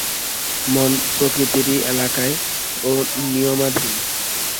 মন প্রকৃতিরই এলাকায় ও নিয়মাধীন।